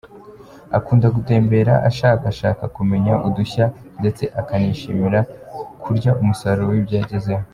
Akunda gutembera ashakashaka kumenya udushya ndetse akanishimira kurya umusaruro w’ibyo yagezeho.